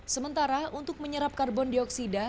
sementara untuk menyerap karbon dioksida